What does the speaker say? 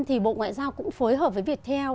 thì bộ ngoại giao cũng phối hợp với việt theo